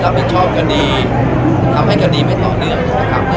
สถานทุนก็มีการสังฆาต่อไปเกี่ยวกับตัวหลวงของมูลคดี